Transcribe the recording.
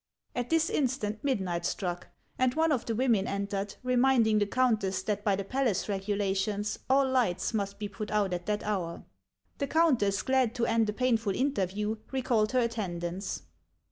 At this instant midnight struck, and one of the women entered, reminding the countess that by the palace regu lations all lights must be put out at that hour. The countess, glad to end a painful interview, recalled her attendants.